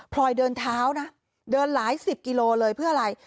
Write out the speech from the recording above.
ลอยเดินเท้านะเดินหลายสิบกิโลเลยเพื่ออะไร